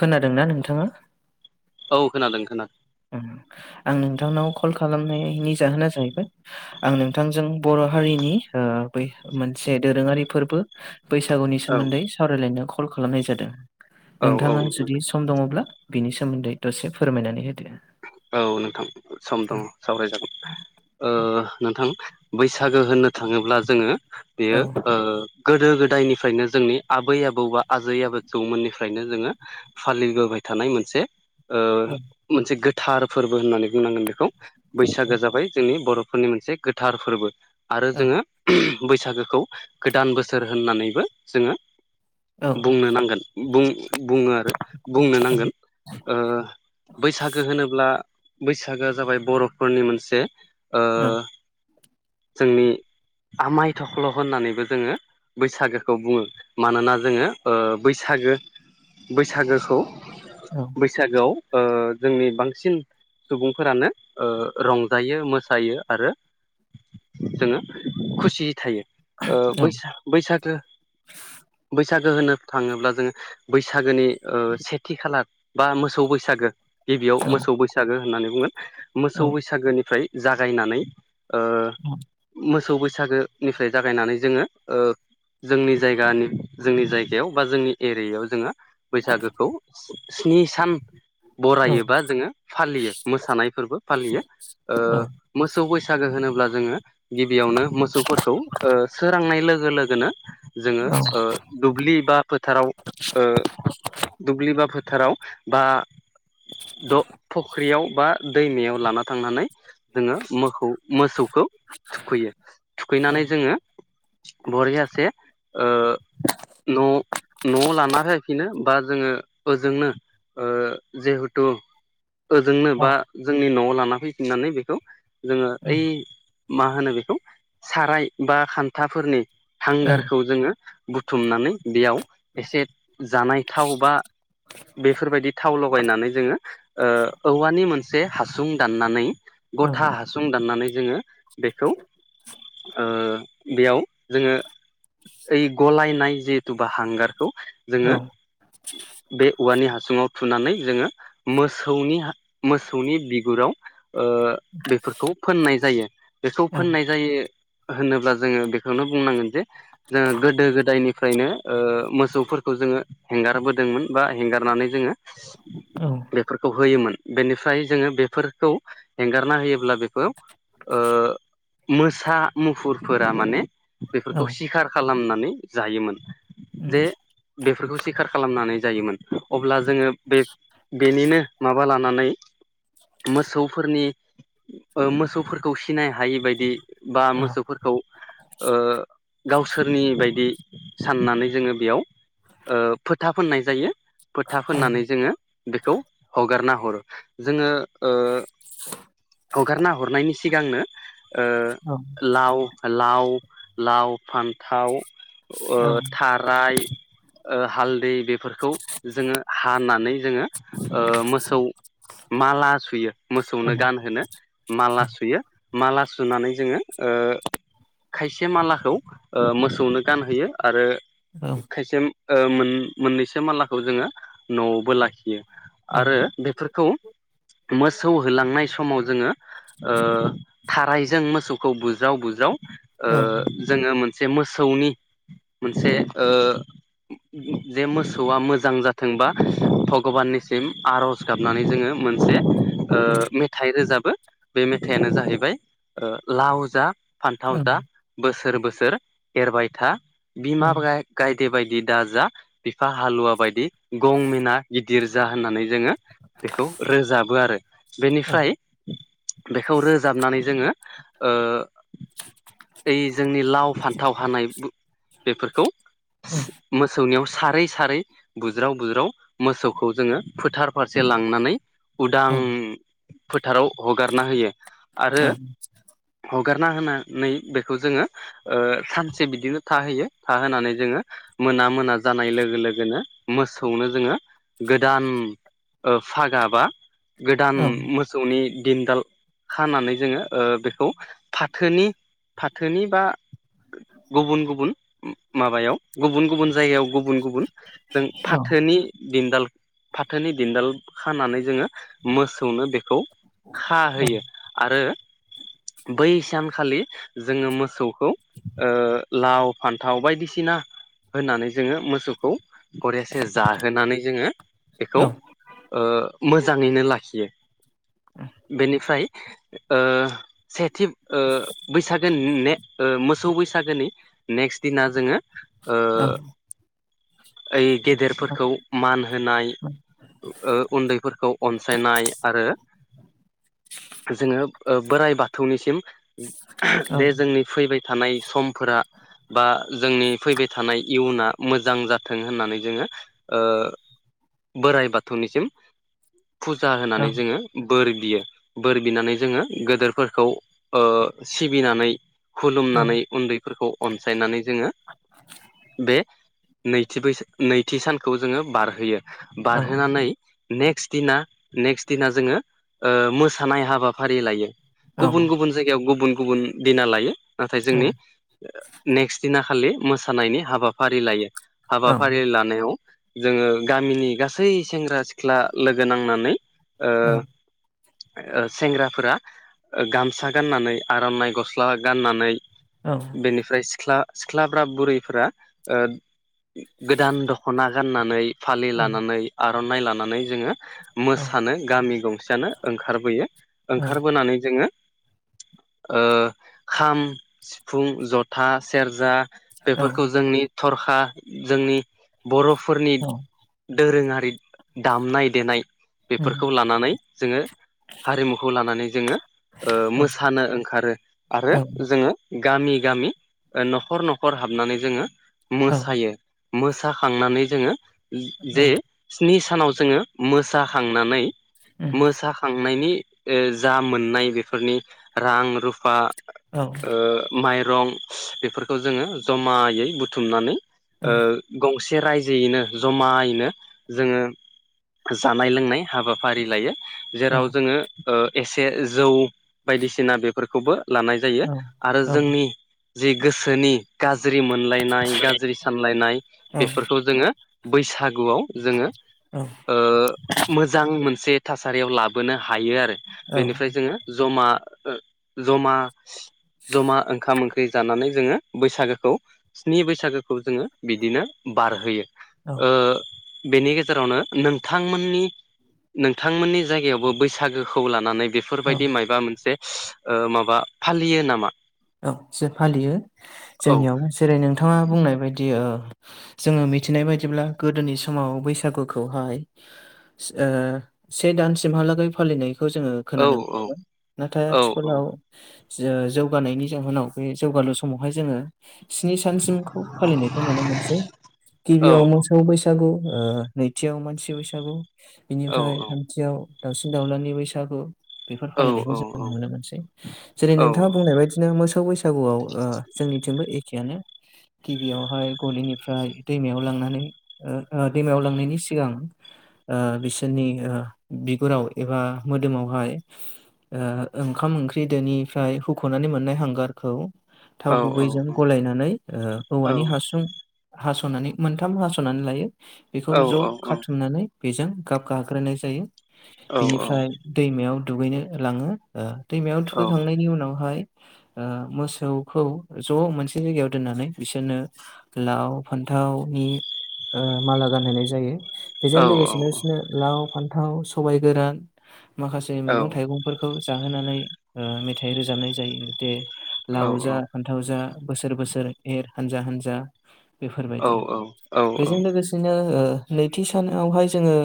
खोनादोंना नोंथाङा? औ खोनादों खोनादों। [inaudible] आं नोंथांनाव कल खालामनायनि जाहोना जाहैबाय आं नोंथांजों बर' हारिनि ओ बै मोनसे दोरोङारि फोरबो बैसागुनि औ सोमोन्दै सावरायलायनो कल खालामनाय जादों औ नोंथाङा जुदि सम दङब्ला बिनि सोमोन्दै दसे फोरमायनानै होदो। औ नोंथां सम दङ सावरायजागोन। ओ नोंथां बैसागो होननो थाङोब्ला जोङो औ बेयो ओ गोदो गो दाय निफ्रायनो जोंनि आबै आबौ बा आजै आबैौमोननिफ्रायनो जोङो फालिबोबाय थानाय मोनसे ओ औ मोनसे गोथार फोरबो होननानै बुंनांगोन बेखौ बैसागो जाबाय जोंनि बर' फोरनि मोनसे गोथार फोरबो आरो औ जोङो बैसागोखौ गोदान बोसोर होननानैबो जोङो औ बुंनो नांगोन। बुङो आरो बुंनो नांगोन ओ बैसाग होनब्ला बैसागोआ जाबाय बर'फोरनि मोनसे ओ जोंनि आमाय थख्ल' होननानैबो जोङो बैसागोखौ बुङो मानोना जोङो ओ बैसागो बैसागोखौ औ बैसागोआव ओ जोंनि बांसिन सुबुंफोरानो ओ रंजायो मोसायो आरो जोङो खुसियै थायो। ओ बैसा बैसागो बैस बैसागो होनो थाङोब्ला जोङो बैसागोनि ओ सेथि खालार बा मोसौ बैसागो गिबियाव मोसौ बैसागो होननानै बुंगोन औ मोसौ बैसागोनिफ्राय जागायनानै ओ मोसौ बैसागोनिफ्राय जागायनानै जोङो ओ जोंनि जायगानि जोंनि जायगायाव बा जोंनि एरियायाव जोङो बैसागोखौ स्नि सान फुरा औ ऊबा जोङो फालियो मोसानाय फोरबो फालियो मोसौ बैसागो होनोब्ला जोङो गिबियावनो मोसौफोरखौ ओ सोरांनाय लोगो लोगोनो जोङो ओ दुब्लि बा फोथाराव ओ दुब्लि बा फोथ थाराव बा द' फख्रियाव बा दैमायाव लाना थांनानै जोङो मोखौ मोसौखौ थुखैयो। थुखैनानै जोङो बरियासे ओ न' न'आव लाना फायफिनो बा जोङो ओजोंनो ओ जेहुथु ओजोंनो बा जोंनि न'आव लाना फैफिननानै बेखौ जोङो ओइ मा होनो बेखौ साराय बा खान्थाफोरनि हांगारखौ जोङो बुथुमनानै बेयाव एसे जानाय थाव बा बेफोरबादि थाव लगायनानै जोङो ओ औवानि मोन से हासुं दाननानै औ गथा हासुं दाननानै जोङो बेखौ ओ बेयाव जोङो ओइ गलायनाय जिहेथु बा हांगारखौ जोङो बे औवानि हासुङाव थुनानै जोङो मोसौनि मोसौनि बिगुराव ओ बेफोरखौ फोननाय जायो। बेखौ औ फोननाय जायो होनोब्ला जोङो बेखौनो बुंनांगोन जे जोङो गोदो गोदायनिफ्रायनो ओ मोसौफोरखौ खौ जोङो हेंगारबोदोंमोन बा हेंगारनानै जोङो बेफोरखौ होयोमोन। बेनिफ्राय जोङो बेफोरखौ एंगारना होयोब्ला बेखौ ओ मोसा मुफुरफोरा माने बेफोरखौ सिखार खालामनानै जायोमोन। जे बेफोरखौ सिखार खालामनानै जायोमोन। अब्ला जोङो बे बेनिनो माबा लानानै मोसौफोरनि मोसौफोरखौ सिनाय हायि बादि बा मोसौफोरखौ गावसोरनि बायदि साननानै जोङो बेयाव ओ फोथा फोननाय जायो फोथा फोननानै जोङो बेखौ हगारना हरो। जोङो ओ हगारना हरनायनि सिगांनो लाव लाव लाव, फान्थाव, ओ थाराय ओ हालदै बेफोरखौ जोङो हानानै ओ जोङो मोसौ माला सुयो मोसौनो गानहोनो माला सु सुयो माला सुनानै जोङो ओ खायसे मालाखौ ओ मोसौनो गानहोयो आरो औ खायसे मोन-मोननैसो मालाखौ जोङो न'आवबो लाखियो। औ औ आरो बेफोरखौ मोसौ होलांनाय समाव जोङो ओ थारायजों मोसौखौ बुजाव बुजाव ओ जोङो मोन से मोसौनि मोनसे जे मोसौआ मोजां जाथों बा भगबाननिसिम आर'ज गाबनानै जोङो मोनसे मेथाइ रोजाब बो। बे मेथाइानो जाहैबाय लाव जा फान्थाव जा बोसोर बोसोर सोर एरबाय था बिमा [unintelligible] गाय दे बादि दा जा बिफा हालुवा बायदि गं मिना गिदिर जा होननानै जोङो बेखौ रोजाबो आरो बेनिफ्राय बेखौ रोजाबनानै जोङो ओ ओइ जोंनि लाव फान्थाव हानाय बेफोरखौ मोसौनियाव सारै सारै बुज्राव बुज्राव मोसौखौ जोङो फोथार फारसे लांनानै उदां फोथाराव हगारना होयो। आरो औ। हगारना होनानै बेखौ जोङो सानसे बिदिनो थहोयो। थाहोनानै जोङो मोना मोना जानाय लोगो लोगोनो मोसौनो जोङो गोदान ओ फागा बा गोदान मोसौनि दिनदाल खानानै जोङो ओ बेखौ फाथोनि फाथोनि बा गुबुन गुबुन माबायाव गुबुन गुबुन जायगायाव गु बुन गुबुन जों फाथोनि दिन्दाल फाथोनि दिन्दाल खानानै जोङो मोसौनो बेखौ खा होयो आरो [inaudible] बै सानखालि जोङो मोसौखौ ओ लाव फान्थाव बायदिसिना होननानै जोङो मोसौखौ गरिया सेरजा होनानै जोङो बेखौ ओ मोजाङैनो लाखियो। बेनिफ्राय ओ सेथि ओ बैसागोनि ओ मोसौ बैसागोनि नेक्स्ट दिना जोङो ओ ओइ गेदेर खौ मान होनाय उन्दैफोरखौ अनसायनाय आरो जोङो ओ बोराइ बाथौनिसिम दे जोंनि फैबाय थानाय समफोरा बा जोंनि फैबाय थानाय इयुना मोजां जाथों होननानै जोङो ओ बोराइ बाथौनिसिम फुजा होनानै जोङो बोर बियो बोर बिनानै जोङो गिदोरफोरखौ ओ सिबिनानै खुलुमनानै उन्दैफोरखौ अनसायनानै जोङो बे नैथि बैसो नैथि सानखौ जोङो बारहोयो बारहोनानै नेक्स्ट दिना नेक्स्ट दिना जोङो मोसानाय हाबाफारि लायो। गुबुन गुबुन जायगायाव गुबुन गुबुन दिना लायो नाथाय जोंनि नेक्स्ट दिना खालि मोसानायनि हाबाफारि लायो हाबाफारि लानायाव जोङो गामिनि गासै सेंग्रा सिख्ला लोगो नांनानै ओ औ। सेंग्राफोरा गामसा गाननानै आर'नाइ गस्ला गाननानै बेनिफ्राय सिख्ला सिख्लाफ्रा बुरैफ ओ गोदान दख'ना गाननानै फालि लानानै आर'नाइ लानानै जोङो मोसानो गामि गंसेयानो ओंखारबोयो। ओंखारबोनानै जोङो ओ खाम, सिफुं, जथा, सेरजा बेफोरखौ जोंनि थरखा जोंनि बर'फोरनि दोरोङारि दामनाय देनाय बेफोरखौ लानानै जोङो हारिमुखौ लानानै जोङो मोसानो ओंखारो आरो जोङो गामि गामि गामि नखर नखर हाबनानै जोङो मोसायो मोसानांनानै जोङो जे स्नि सानाव जोङो मोसाखांनानै मोसाखांनायनि ओ जा मोननाय बेफोरनि रां - रुफा ओ माइरं बेफोरखौ जोङो जमायै बुथुमनानै ओ गंसे रायजो यैनो जमायैनो जोङो जानाय लोंनाय हाबाफारि लायो जेराव जोङो ओ एसे जौ बायदिसिना बेफोरखौबो लानाय जायो आरो जोंनि जि गोसोनि गाज्रि मोनलायनाय गाज्रि सानलायनाय बेफोर बैसागुआव जोङो ओ मोजां मोनसे थासारियाव लाबो बोनो हायो आरो बेनिफ्राय जोङो जमा जमा जमा ओंखाम ओंख जानानै जोङो बैसागोखौ स्नि बैसागोखौ जोङो बिदिनो बारहोयो। ओ बेनि गेजेरावनो नोंथांमोननि नोंथांमोननि जायगायावबो बैसागोखौ लानानै बेफोरबायदि माइबा मोनसे ओ माबा फालियो नामा? औ जे फालियो औ जोंनियावबो जेरै नोंथाङा बुंनाय बायदि ओ जोङो मिथिनाय बायदिब्ला गोदोनि समाव बैसागुखौहाय ओ से दान सिमहालागै फालिनाय खौ जोङो औ खोनानो औ मोनो नाथाय औ आथिखालाव जौ गानायनि जाहोनाव बे जौगालु समावहाय जोङो स्नि सानसिमखौ फालिनायखौ नुनो मोनसै। औ गिबियाव मोसौ बैसागु ओ नैथियाव मानसि बैसागु औ बिनिफ्राय थामथियाव दाउसिन दाउलानि बैसागु बेफोर औ फालिनायखौ जों नुनो मोनसै। जेरै औ नोंथाङा बुंनाय बायदि मोसौ बैसागुआव ओ जोंनिथिंबो एखेआनो। गिबियावहाय गलिनिफ्राय दैमायाव लांनानै ओ दैमायाव लांनायनि सिगां ओ बिसोरनि ओ बिगुराव एबा मोदोमावहाय ओ ओंखाम ओंख्रि दोनिफ्राय हुख'नानै मोन नाय हांगारखौ थाव औ गुबैजों गलायनानै ओ औवानि हासुं हास'नानै मोनथाम हास'नानै लायो बेखौ ज' खाथुमनानै बेजों गाब गाग्रोनाय जायो, बिनिफ्राय दैमायाव दुगैनो लाङो, ओ दैमायाव थुखैखांनायनि उनावहाय ओ मोसौखौ ज' मोनसे जायगायाव दोननानै बिसोरनो लाव फान्थाव थावनि माला गानहैनाय जायो। बेजों लोगोसे बिसिनो लाव, फान्थाव, सबायाइ, गोरान माखासे औ मैगं थाइगंफोरखौ जाहोनानै ओ मेथाइ रोजाबनाय जायो जे लाव जा फान्थाव जा बोसोर बोसोर एर हानजा हान्जा बेफोरबायदि। नोंथां बेजों लोगोसेनो ओ नैथि सानावहाय जोङो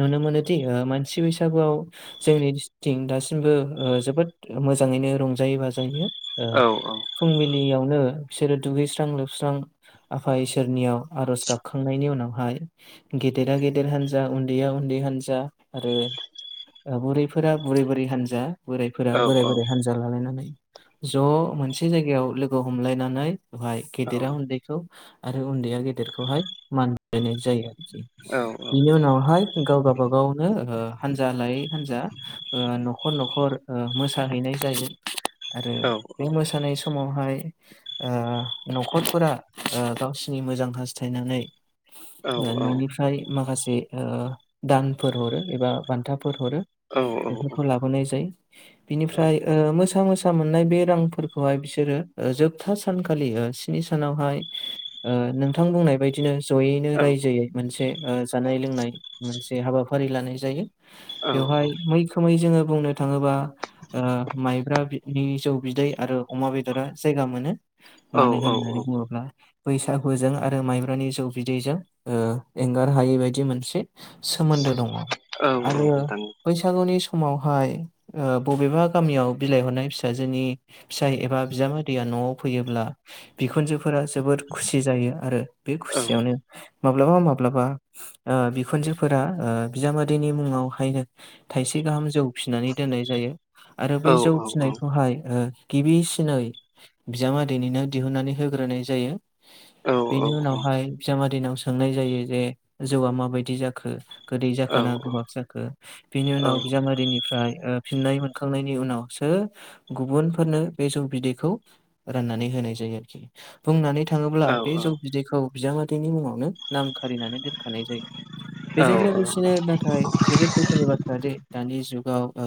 नुनो मोनोदि ओ मानसि बैसागुआव जोंनिस्थिं दासिमबो ओ जोबोद मोजाङैनो रंजायो बाजायो ओ फुंबिलियावनो बिसोरो दुगैस्रां लोबस्रां आफा इसोरनियाव आर'ज गाबखांनायनि उनावहाय गेदेरा गेदेर हान्जा उन्दैया उन्दै हानजा आरो बुरैफोरा बुरै बुरै हानजा बोरायफोरा बोराय बोराय हानजा ज' मोनसे जायगायाव लोगो हमलायनानै बेहाय गेदेरा उन्दैखौ आरो उन्दैया गेदेरखौहाय मान बावनाय जायो आरोखि। बिनि उनावहाय गाव गावाब गावनो ओ हानजा लायै हान्जा ओ न'खर न'खर ओ मोसाहैनाय जायो। आरो बे मोसानाय समाव बेहाय ओ न'खरफोरा ओ गावसिरनि मोजां हास्थायनानै औ ओ न'निफ्राय माखासे ओ दानफोर हरो एबा बान्था फोर हरो, बेफोरखौ लाबोनाय जायो। ओमफ्राय ओ मोसा मोसा फैसा मोननाय बे रांफोरखौहाय बिसोरो जोबथा सानखालि ओ स्नि सानावहाय ओ नोंथां बुंनाय बायदिनो ज'यैनो रायजोयै मोनसे ओ जानाय लोंनाय मोनसे हाबाफारि लानाय जायो। बेवहाय मैखोमै जोङो बुंनो थाङोबा ओ माइब्रानि जौ बिदै आरो अमा बेदरा जायगा मोनो। मानो होनानै बुङोब्ला बैसागुजों आरो माइब्रानि जौ बिदैजों ओ एंगार हायै बायदि मोनसे सोमोन्दो दङ, आरो बैसागुनि समावहाय ओ बबेबा गामियाव बिलाइहरनाय फिसाजोनि फिसाय एबा बिजामा दैया न'आव फैयोब्ला बि बिखुनजोफोरा जोबोर खुसि जायो आरो बे खुसियावनो माब्लाबा माब्लाबा ओ बिखुनजोफोरा ओ बिजामादैनि मुङावहायनो थाइसे गाहाम जौ फिसिनानै दोननाय जायो आरो बेै औ जौ औ औ फिसिनाय खौहाय ओ गिबिसिनाव बिजामा दैनिनो दिहुननानै होग्रोनाय जायो। औ बेनि उनावहाय बिजामा दैनाव सोंनाय जायो जे जौआ माबायदि जाखो गोदै औ जाखो ना गोबाब जाखो बिनि उनाव बिजामादैनिफ्राय ओ फिन्नाय मोन सखांनायनि उनावसो गुबुनफोरनो बे जौ बिदैखौ राननानै होनाय जायो आरोखि। बुंनानै थाङोब्ला औ बे जौ बिदैखौ बिजामादैनि मुङावनो नाम खारिनानै दोनखानाय जायो। औ बेजों लोगोसेनो नाथाय जोबोद दुखुनि बाथ्रा दि दानि जुगाव ओ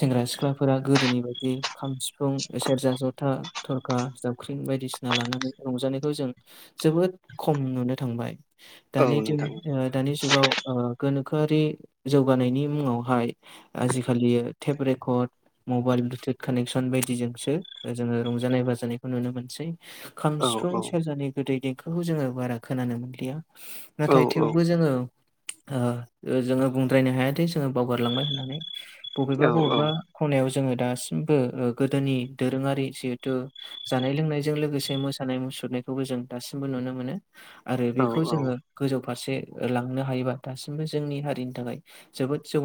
सेंग्रा-सिख्लाफोरा गोदोनि बायदि खाम, सिफुं, सेरजा, जथा थरखा, जाबख्रिं बायदिसिना बायदिसिना लानानै रंजानायखौ जों जोबोद खम नुनो थांबाय औ नोंथां दानि दानि जुगाव ओ गोनोखोआरि जौगानायनि मुङावहाय आजिखालि tape record, mobile bluetooth connection बायदिजोंसो जोङो रंजानाय बाजानायखौ नुनो मोनसै। खाम, औ सिफुं, सेरजानि गोदै देंखोखौ जोङो बारा खोनानो मोनलिया औ नाथाय थेवबो जोङो ओ बुंद्रायनो हायाखै जोङो बावगारलांबाय होननानै बबेबा औ बबेबा खनायाव जोङो दासिमबो ओ गोदोनि दोरोङारि जिहेथु जानाय लोंनायजों लोगोसे मो मोसानाय-मुसुरनायखौबो जों दासिमबो नुनो मोनो आरो औ बेखौ औ जोङो गोजौ फारसे लांनो हायो। हायोबा दासिमबो जोंनि हारिनि थाखाय जोबोद जौ